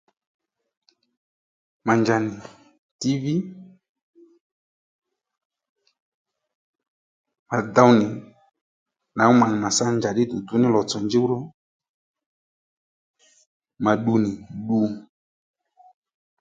Ma nja nì TV ma downì nwangu ma nì matsá njàddí ddùddú ní lò tsò njúw ro ma ddu nì ddu